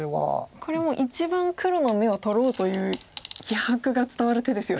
これはもう一番黒の眼を取ろうという気迫が伝わる手ですよね。